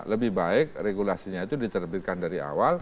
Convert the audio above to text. lebih baik regulasinya itu diterbitkan dari awal